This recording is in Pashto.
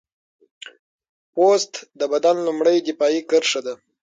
پوست د بدن لومړنۍ دفاعي کرښه ده.